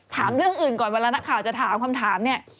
ถามเรื่องอื่นก่อนเวลานักข่าวจะถามคำถามเนี่ย